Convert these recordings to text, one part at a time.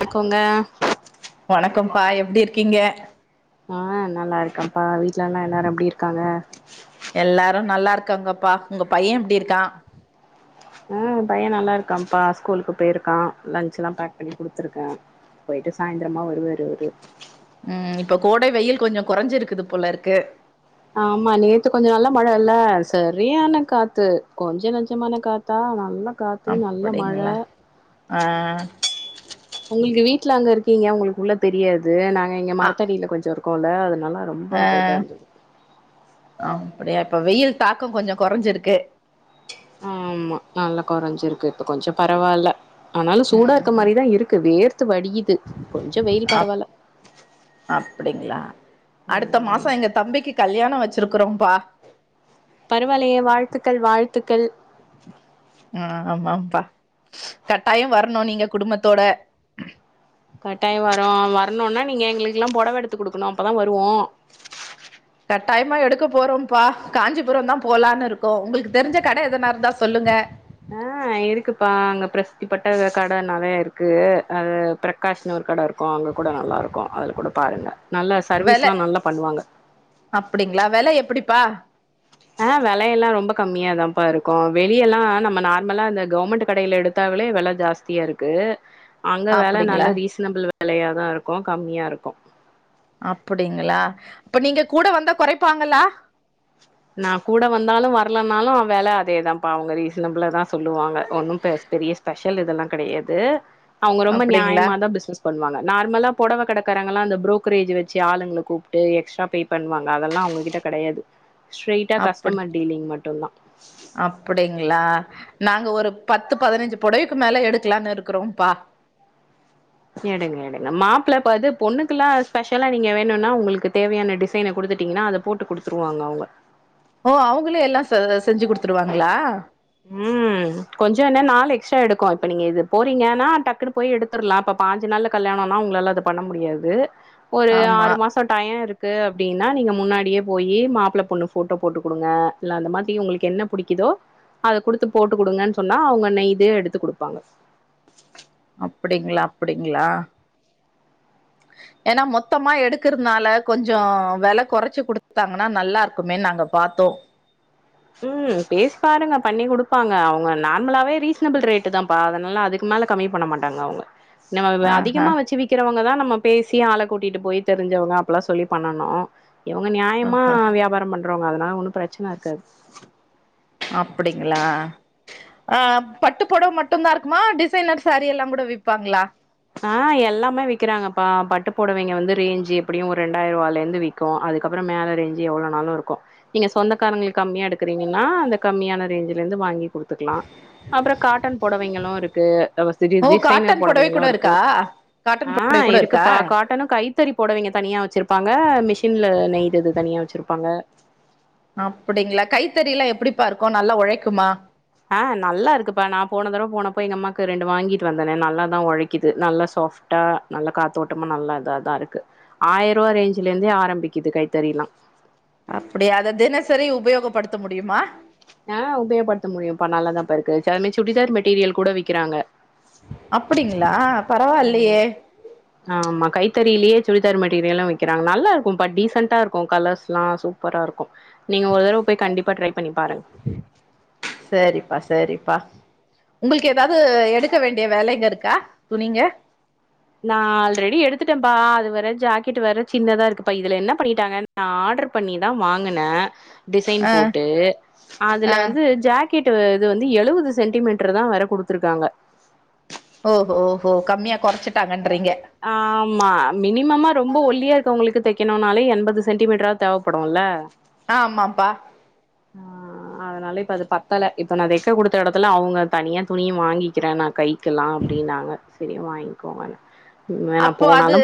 வணக்கோங்க வணக்கம்ப்பா எப்டி இருக்கீங்க? ஆ நல்லா இருக்கம்ப்பா. வீட்லல்லா எல்லாரு எப்டி இருக்காங்க? எல்லாரு நல்லா இருக்காங்கப்பா. உங்க பைய எப்டி இருக்கா? ஆ பைய நல்லா இருக்காம்ப்பா ஸ்கூலுக்கு போயிருக்கா லன்ச்லா பேக் பண்ணி குடுத்துருக்கே போயிட்டு சாயந்திரமா வருவாரு அவரு ம் இப்ப கோடை வெயில் கொஞ்ச கொறைஞ்சிருக்குது போல இருக்கு ஆமா நேத்து கொஞ்ச நல்ல மழ இல்ல சரியான காத்து கொஞ்ச நஞ்சமான காத்தா நல்ல காத்து நல்ல மழ அப்பிடிங்களா ஆ உங்களுக்கு வீட்ல அங்க இருக்கீங்க உங்களுக்கு உள்ள தெரியாது நா ங்க இங்க அ மரத்தடியில கொஞ்சொ இரு க்கோல்ல அதனால ரொம்ப கா ஆ இதா இருந்தது அப்பிடியா இப்ப வெயில் தாக்கோ கொஞ்சொ கொறைஞ்சிருக்கு ஆமா நல்லா கொறைஞ்சிருக்கு இப்ப கொஞ்ச பரவால்ல ஆனாலு சூடா ம் இருக்க ம் மாரிதா இருக்கு வேர் அப் அப்பிடிங்களா அடுத்த ம் மாசோ எங்க தம்பிக்கு கல்யாணோ வச் சிருக்கிறோம்ப்பா பரவால்லயே வாழ்த்துக்கள் வாழ்த்துக்கள் ஆ ஆமாம்ப்பா கட்டாயோ வரணு நீங்க குடும்பத்தோட கட்டாயோ வரோ வரணுன்னா நீங்க எங்களுக்கெல்லா பொடவ எடுத்து குடுக்கணு அப்பதா வருவோ கட்டாயமா எடுக்க போறோம்ப்பா காஞ்சிபுரம்தா போலான்னு இருக்கோ. உங்களுக்கு தெரிஞ்ச கட எதனா இருந்தா சொல்லுங்க. ஆ இருக்குப்பா அங்க பிரசித்திப்பட்ட கட நெறைய இருக்கு. அது பிரகாஷ்ன்னு ஒரு கட இருக்கு அங்க கூட நல்லா இருக்கு அதுல கூட பாருங்க. நல்லா வெல சர்வீஸ்லா நல்லா பண்ணுவாங்க அப்பிடிங்களா வெல எப்பிடி ப்பா ஆ வெலையெல்லா ரொம்ப கம்மியாதாம்ப்பா இருக்கு வெளிய எல்லா நம்ம நார்மலா இந்த கவர்மெண்ட் கடையில எடுத்தாவலே வெல ஜாஸ்தியா இருக்கு அங்க வெல அப்டிங்களா நல்ல ரீசனபிள் வெலையாதா இருக்கு கம்மியா இருக் கு அப்பிடிங்களா அப்ப நீங்க கூட வந்தா கொறைப்பாங்களா? நா கூட வந்தாலு வரலனாலு வெல அதேதாம்ப்பா அவங்க ரீசனபிளாதா சொல்லுவாங்க ஒன்னும் பெ பெரிய ஸ்பெஷ ல் இதெல்லா கெடையாது அவுங்க ரொம்ப அப்டிங்களா நியாயமாதா பிசினஸ் பண்வாங்க. நார்மலா பொடவ கடக்காரங்கல்லா அந்த ப்ரோக்கரேஜ் வச்சு ஆளுங்கள கூப்ட்டு எக்ஸ்ட்ரா பே பண்ணுவாங்க அதெல்லா அவுங்ககிட்ட கெடையாது ஸ்ட்ரெய்ட்டா கஸ்டமர் டீலிங் மட்டுந்தா அப்பிடிங்களா நாங்க ஒரு பத்து பதினஞ்சு பொடவைக்கு மேல எடுக்கலானு இருக்றோப்பா எடுங்க எடுங்க மாப்பிள்ப்பது பொண்ணுக்குல்லா ஸ்பெஷலா நீங்க வேணுன்னா உங்களுக்கு தேவையான டிசைன குடுத்துட்டீங்கன்னா அத போட்டு குடுத்துருவாங்க அவுங்க ஓ அவுங்களே எல்லா செஞ்சி குடுத்துருவாங்களா ம் கொஞ்சோ என்ன நாலு எக்ஸ்ட்ரா எடுக்கு இப்ப நீங்க இது போறீங்கன்னா டக்குனு போய் எடுத்துரலா இப்ப பாஞ்சு நாள்ல கல்யணன்னா உங்களால அத பண்ண முடியாது ஒரு ஆமா ஆறு மாசோ டையோ இருக் க்கு அப்பிடின்னா நீங்க முன்னாடியே போயி மாப்பிள பொண்ணு ஃபோட்டோ போட்டு குடுங்க இல்ல அந்த மாரி உங்களுக்கு என்ன புடிக்குதோ அத குடுத்து போட்டு குடுங்கன்னு சொன்னா அவுங்க நெய்து எடுத்து குடுப்பாங்க அப்பிடிங்களா அப்பிடிங்களா ஏன்னா மொத்தமா எடுக்கறனால கொஞ்சோ வெல குறைச்சு குடுத்தாங்கன்னா நல்லா இருக்குமேன்னு நாங்க பாத்தோ ம் பேசி பாருங்க பண்ணி குடுப்பாங்க அவுங்க நார்மலாவே ரீசனபிள் ரேட்டுதா பா அதனால அதுக்கு மேல கம்மி பண்ண மாட்டாங்க அவுங்க நம்ம ஆஹா அதிகமா வச்சி விக்கறவங்கதா நம்ம பேசி ஆள கூட்டிட்டு போய் தெரிஞ்சவங்க அப்பல்லா சொல்லி பண்ணனு இவுங்க நியாயமா ஆஹா வியாபாரம் பண் ன்றோங்க அதனால ஒன்னு பிரச்சன இருக்காது அப்பிடிங்களா ஆ பட்டு புடவ மட்டுதா இருக்குமா டிசைனர் சேரீ எல்லா கூட விப்பாங்களா ஆ எல்லாமே விக்கிறாங்கப்பா பட்டு புடவைங்க வந்து ரேஞ்சு எப்பிடியு ஒரு ரெண்டாயி ரூவால இருந்து விக்கு அதுக்கப்புறோ மேல ரேஞ்சு எவ்வள நாளு இருக்கு நீங்க சொந்தக்காரங்களுக்கு கம்மியா எடுக்கறீங்கன்னா அந்த கம்மியான ரேஞ்சுல இருந்து வாங்கி குடுத்துக்கலா அப்புறோ காட்டன் புடவைங்களு இருக்கு எல்லா வசதியு ஓ டிசைனர் காட்டன் பொடவை புடவைல்லா கூட இருக் இருக்கா காட்டன் ஆ பொடவை கூட இருக்கா இருக்குப்பா காட்டனு கைத்தறி போடவைங்க தனியா வச்சிருப்பாங்க மிஷின்ல நெய்தது தனியா வச்சிருப்பாங் அங்க அப்பிடிங்களா கைத்தறில்லா எப்பிடிப்பா இருக்கோ நல்லா ஒழைக்குமா ஆ நல்லா இருக்குப்பா நா போன தடவ போனப்போ எங்க அம்மாக்கு ரெண்டு வாங்கிட்டு வந்தேனே நல்லாாதா ஒழைக்குது நல்லா சாஃப்ட்டா நல்லா காத்தோட்டமா நல்லா இதாதா இருக்கு ஆயிரூவா ரேஞ்சுல இருந்தே ஆரம்பிக்குது கைத்தறில்லா அப்பிடியா அத தினசரி உபயோகப்படுத்த முடியுமா ஆ உபயோப்படுத்த முடியுபா நல்லாதா பா இருக்கு சிலமே சுடிதார் மெட்டீரியல் கூட விக்கிறாங்க அப்பிடிங்களா ம் ஆமா கை தெரியிலியே சுடிதார் மெட்டீரியலல்லா விக்கறாங்க நல்லா இருக்கும்ப்பா டீசண்டா இருக்கு கலர்ஸ்லா சூப்பரா இருக்கு நீங்க ஒரு தடவ போய் கண்டிப்பா ட்ரை பண்ணி பாருங் ப்பா உங்களுக்கு ஏதாவது எடுக்க வேண்டிய வேலைங்க இருக்கா துணிங்க நா ஆல்ரெடி எடுத்துட்டேப்பா அது வேற ஜாக்கெட் வேற சின்னதா இருக்குப்பா இதுல என்ன பண்ணிட்டாங்க நா ஆர்டர் பண்ணிதா வாங்கினே டிசைன் ஆ போட்டு ஆ அதுல வந்து ஜக் கிட்டு இது வந்து எழுவது சென்டிமீட்டர்தா வேற குடுத்துருக்காங்க ஓஹோ ஓஹோ கம்மியா கொறச்சிட்டாங்க ஆ ஆமா மினிமமா ரொம்ப ஒல்லியா இருக்கவங்களுக்கு தெக் க்கணுனாலே எண்பது சென்டிமீட்டராது தேவப்படுல்ல ஆ ஆமாம்ப்பா ஆ அதனால இப்ப அது பத்தல இப்ப நா தெக்க குடுத்த எடத்துல அவங்க தனியா துணிய வாங்கிக்கிறே நா கைக்கல்லா அப்டின்னாங்க சரி வாங்கிக்கோங்கன்னே அப்போ அது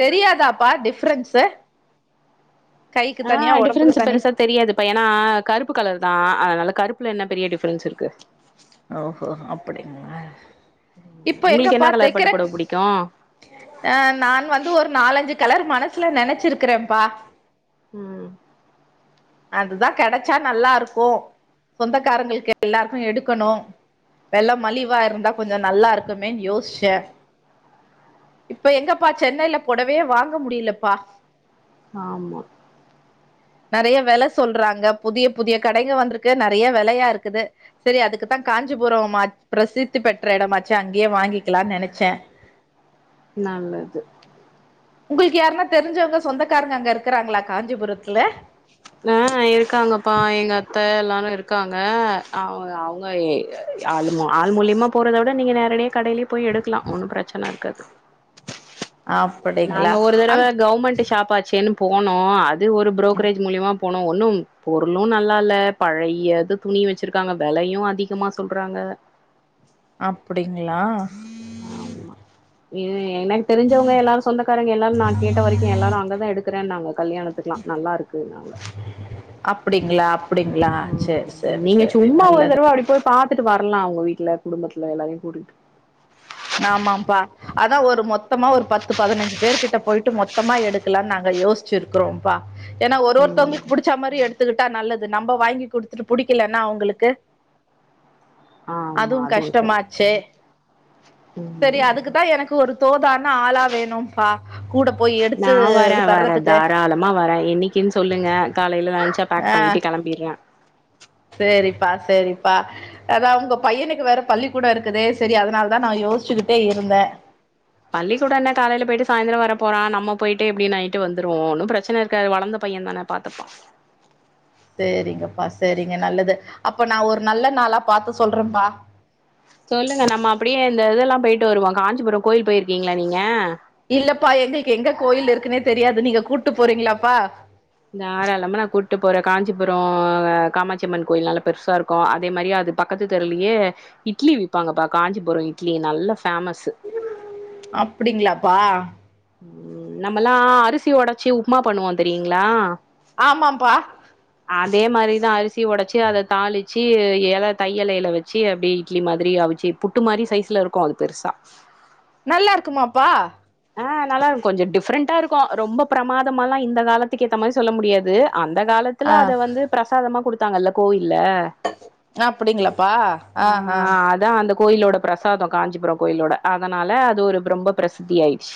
தெரியாதாப்பா டிஃப்ரென்ஸு? கைக்கு ஆ தனியா ஒடம்புக்கு டிஃப்ரென்ஸ் தனியா பெருசா தெரியாதுப்பா ஏன்னா கருப்பு கலர்தா அதனால கருப்புல என்ன பெரிய டிஃபரன்ஸ் இருக்கு ஓஹோ அப்படிங்களா இப்ப உங்களுக்கு எங்கப்பா என்ன கலர் தெக்கற பட்டு பொடவ புடிக்கு ஆ நான் வந்து ஒரு நாலஞ்சு கலர் மனசுல நெனைச்சிருக்கறேம்ப்பா ம் அதுதா கெடைச்சா நல்லா இருக்கு சொந்தக்காரங்களுக்கு எல்லாருக்கு எடு க்கணு வெல மலிவு இருந்தா கொஞ்ச நல்லா இருக்குமேன்னு யோசிச்சே இப்ப எங்கப்பா சென்னைல பொடவையே வாங்க முடியலப்பா ஆமா நெறைய வெல சொல்றாங்க புதிய புதிய கடைங்க வந்துருக்கு நெறைய வெலையா இருக்குது செரி அதுக்குத்தா காஞ்சிபுரோ மா பிரசித்தி பெற்ற இடமாச்சு அங்கயே வாங்கிக்கலான் நெனைச்சே நல்லது உங்களுக்கு யாருனா தெரிஞ்சவங்க சொந்தக்காரங்க அங்க இருக்கிறாங்களா காஞ்சிபுரத்துல? ஆ இருக்காங்கப்பா எங்க அத்த எல்லாரு இருக்காங்க. அவ அவங்க யே ஆள் மூ ஆள் மூலியமா போறத விட நீங்க நேரடியா கடையிலயே போய் எடுக்கலா ஒன்னு பிரச்சன இருக்காது அப்படிங்களா நாங்க ஒரு தடவ அந் கவர்மெண்ட்டு ஷாப்பாச்சேன்னு போனோ அ து ஒரு புரோக்கரேஜ் ஆ போனோ ஒன்னும் பொருளு நல்லா இல்ல பழைய இது துணி வச்சிருக்காங்க வெலையு அதிகமா சொல்றாங்க. அப்பிடிங்களா ஆமா எ எனக்கு தெரிஞ்சவங்க எல்லாரு சொந்தக்காரங்க எல்லாரு நா கேட்ட வரைக்கு எல்லாரு அங்கதா எடுக்கறேன்னாங்க கல்யாணத்துக்கெல்லா நல்லா இருக்குன்னாங்க அப்பிடிங்களா அப்பிடிங்களா ம் சேரி சேரி சேரி நல்லது துட்டு வரலா உங்க வீட்ல குடும்பத்துல எல்லாரையு கூட்டிட்டு ஆமாம்ப்பா அதா ஒரு மொத்தமா ஒரு பத்து பதனஞ்சு பேர் கிட்ட போயிட்டு மொத்தமா எடுக்கலான்னு நாங்க யோசிச்சுருக்கிறோம்ப்பா ஏன்னா ஒரு ம் ஒருத்தவங்களுக்கு புடிச்சா மாரி எடுத்துக்கிட்டா நல்லது இது நம்ப வாங்கி குடுத்துட்டு புடிக்கலனா அவுங்களுக்கு ஆமா அதுவு சரி கஷ்டமாச்சே சரி ம் அதுக்குத்தா எனக்கு ஒரு தோதான ஆளா வேணும்ப்பா ஆ நா வரே வரே தாராளமா வரே என்னைக்கின்னு சொல்லுங்க காலையல லன்ச்ச பேக் ஆ பண்ணிட்டு கெளம்பிர்றே சேரிப்பா சேரிப்பா அதா உங்க பையனுக்கு வேற பள்ளிக்கூடோ இருக்குது செரி அதனால தா நா யோசிச்சுக்கிட்டே இருந்தே பள்ளிக்கூடம் என்ன காலேல போயிட்டு சாயந்தரம் வர போறான் நம்ம போயிட்டு எப்டி நைட்டு வந்துருவோம் ஒன்னு பிரச்சன இருக்காது வளந்த பையன் தானே பாத்துப்பான் சேரிங்கப்பா சேரிங்க நல்லது அப்ப நா ஒரு நல்ல நாளா பாத்து சொல்றேன்பா சொல்லுங்க நம்ம அப்டியே இந்த இதல்லா போயிட்டு வருவோம் காஞ்சிபுரம் கோயில் போயிருக்கீங்ளா நீங்க இல்லப்பா எங்களுக்கு எங்க கோயில் இருக்குன்னே தெரியாது நீங்க கூட்டு போறீங்கிளாப்பா தாராளமா நா கூட்டு போறன் காஞ்சிபுரம் காமாட்சிம்மன் கோயில் நல்லா பெருசா இருக்கும் அதே மாரியே அது பக்கத்து தெருவுலயே இட்லி விப்பாங்கப்பா காஞ்சிபுரம் இட்லி நல்ல ப் அப்டிங்ளா பா ம் நம்மல்லா அரிசி ஒடச்சி உப்புமா பண்ணுவோ தெரியுங்ளா ஆமாம்பா அதே மாரி தான் அரிசி ஒடச்சி அத தாளிச்சு எல தையல் எல வச்சு அப்டியே இட்லி மாரி அவிச்சு புட்டு மாரி சைஸ்ல இருக்கு அது பெருசா நல்லாருக்கு மாப்பா ஆ நல்லாருக்கு கொஞ்ச டிஃப்ரெண்ட்டா இருக்கும் ரொம்ப பிரமாதமல்லா இந்த காலத்துக்கு ஏத்த மாரி சொல்ல முடியாது அந்த காலத்துல அத வந்து பிரசாதமா குடுத் தாங்கல்ல கோயில் அப்டிங்கிளப்பா ஆ ஆ கோயில்லோட பிரசாதம் காஞ்சிபுர கோயில்லோட அதுனால அது ஒரு ரொம்ப பிரசித்தியாயி ச்சு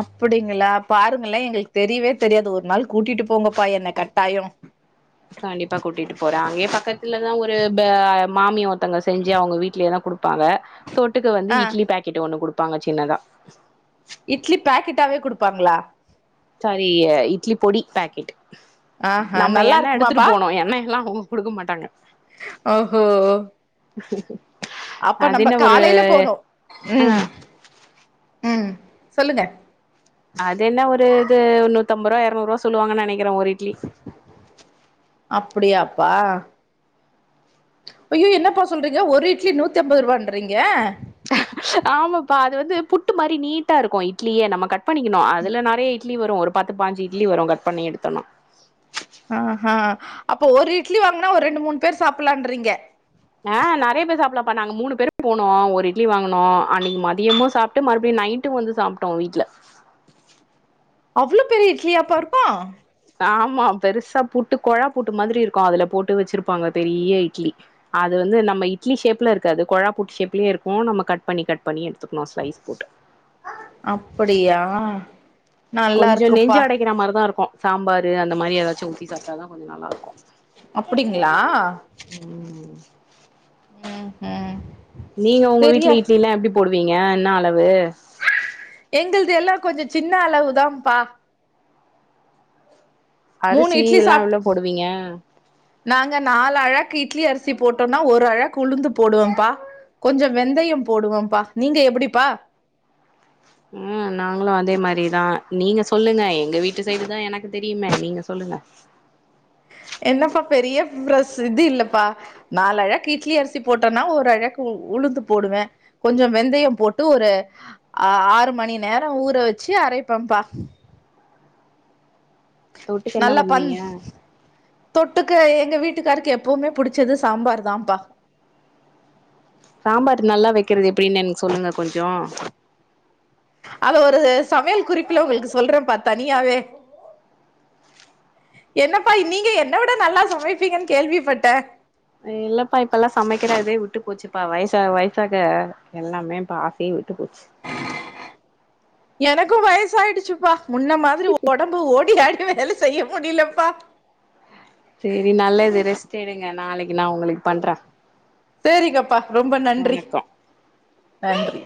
அப்டிங்ளா பாருங்களே எங்களுக்கு தெரியவே தெரியாது ஒரு நாள் கூட்டிட்டு போங்கப்பா என்ன கட்டாயோம் கண்டிப்பா கூட்டிட்டு போறேன் அங்கியே பக்கத்துலதா ஒரு ப மாமிய ஒருத்தங்க செஞ்சு அவுங்க வீட்லயே தா குடுப் பாங்க தொட்டுக்க வந்து ஆ இட்லி பாக்கெட் ஒன்னு குடுப் பாங்க சின்னதா இட்லி பாக்கெட்டாவே குடுப்பாங்ளா சாரி இட்லி பொடி பாக்கெட் ஆஹா நம்ம நல்லா எண்ணெ எடுத்துட்டு இருக்குமாப்பா போனு எண்ணெ எல்லா ஊத் குடுக்க மாட்டாங்க ஓஹோ ச சரி அப்ப நம்ப காலேல போனு ஆ ம் ம் சொல்லுங்க அது என்ன ஒரு இது நூத்தம்பது ரூவா எறநூறுவா சொல்லுவாங்க நெனைக் கிறேன் ஒரு இட்லி பா ஐய்யோ என்னப்பா சொல்றீங்க ஒரு இட்லி நூத்தி அம்பது ரூபாண்றீங்க ஆமாப்பா அது வந்து புட்டு மாரி நீட்டா இருக்கும் இட்லியே நம்ம கட் பண்ணிக்கணு அதுல நெறைய இட்லி வரு ஒரு பத்து பாஞ்சு இட்லி வரும் கட் பண்ணி எடுத்தோனா ஆ ஹா அப்போ ஒரு இட்லி வாங்கினா ஒரு ரெண்டு மூணு பேர் சாப்புலான்றீங்க ஆ நெறைய பேர் சாப்புல்லாம்ப்பா நாங்க மூணு பேரு போனோ ஒரு இட்லி வாங்குனோ அன்னைக்கு மதியமு சாப்ட்டு மறுப்டியு நைட்டு வந்து சாப்டோ வீட்ல அவ்ளோ பெரிய இட்லியாப்பா இருக்கு ஆமா பெருசா புட்டு கொழாப்புட்டு மாதிரி இருக்கு அதுல போட்டு வச்சிருப்பாங்க பெரிய இட்லி அது வந்து நம்ம இட்லி ஷேப்ல இருக்காது கொழா புட்டு ஷேப்லயுருக்கு நம்ம கட் பண்ணி கட் பண்ணி எடுத்துக்கனு ஸ்லைஸ் போட்டு அப்புடியா கொஞ்சொ நெஞ்சு அடைக்கிற மாரிதா இருக்கு சாம்பாரு அந்த மாரி எதாச்சு ஊத்தி சாப்டாதா கொஞ்ச நல்லாருக்கு அப்டிங்ளா ம் ம் ஹும் நீங்க உங்க வீட்ல இட்லிலா எப்டி போடு வீங்க என்ன அளவு? எங்களது எல்லா கொஞ்ச சின்ன அளவுதாம்ப்பா மூணு அரிசி இட்லி எல்லா சாப் எவ்ளோ போடுவீங்க நாங்க நாலு அழாக்கு இட்லி அரி சி போட்டோன்னா ஒரு அழாக்கு உளுந்து போடுவேம்ப்பா கொஞ்ச வெந்தயம் போடுவம்ப்பா நீங்க எப்பிடிப்பா? ம் நாங்களு அதே மாரிதா நீங்க சொல்லுங்க எங்க வீட்டு சைடு தா எனக்கு தெரியுமே நீங்க சொல்லுங்க என்னப்பா பெரிய பிரச இது இல்லப்பா நாலு அழாக்கு இட்லி அரிசி போட்டோன்னா ஒரு அழக்கு உளுந்து போடுவே கொஞ்ச வெந்தயம் போட்டு ஒரு ஆ ஆறு மணி நேர ஊற வச்சு அரைப்பேம்ப்பா தொட்டுக்க என்ன நல்லா பஞ் பண்ணுவீங்க தொட்டுக்க எ ங்க வீட்டுக்காருக்கு எப்பவுமே புடிச்சது சாம்பார் தாம்ப்பா சாம்பார் நல்லா வக்கிறது எப்டின் எனக் சொல்லுங்க கொஞ்சோ அத ஒரு சமையல் குறிப்புல உங்களுக்கு சொல்றேம்ப்பா தனியாவே என்னப்பா நீங்க என்ன விட நல்லா சமைப்பீங்கன் கேள்விப்பட்டே இல்லப்பா இப்பெல்லா சமைக்கிறதே விட்டு போச்சுப்பா வயசாவ வயசாக எல்லாமே இப்ப ஆசயே விட்டு போச்சு எனக்கு வயசாயிடுச்சுப்பா முன்ன மாதிரி ஒடம்பு ஓடி ஆடி வேல செய்ய முடிலப்பா சேரி நல்லது ரெஸ்ட் எடுங் க நாளைக் சேரிங்கப்பா ரொம்ப நன்றி வணக்கோ நன்றி